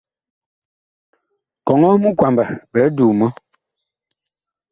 Kɔŋɔɔ minkwamba biig duu mɔ.